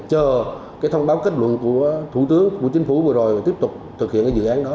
chờ cái thông báo kết luận của thủ tướng của chính phủ vừa rồi và tiếp tục thực hiện cái dự án đó